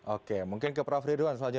oke mungkin ke prof ridwan selanjutnya